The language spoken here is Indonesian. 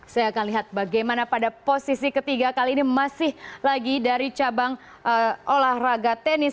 saya akan lihat bagaimana pada posisi ketiga kali ini masih lagi dari cabang olahraga tenis